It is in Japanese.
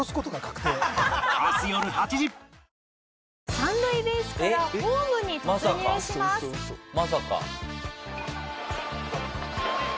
三塁ベースからホームに突入します。